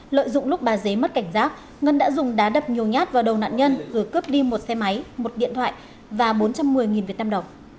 lợi dụng lúc bà dế mất cảnh giác ngân đã dùng đá đập nhiều nhát vào đầu nạn nhân rửa cướp đi một xe máy một điện thoại và bốn trăm một mươi vnđ